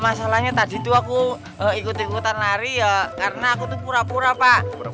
masalahnya tadi itu aku ikut ikutan lari karena aku itu pura pura pak